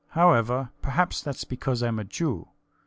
However, perhaps thats because I'm a Jew.